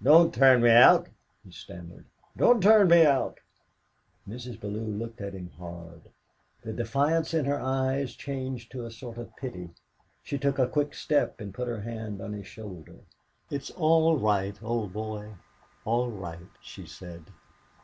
"Don't turn me out," he stammered; "don't turn me out!" Mrs. Bellew looked at him hard; the defiance in her eyes changed to a sort of pity. She took a quick step and put her hand on his shoulder. "It's all right, old boy all right!" she said.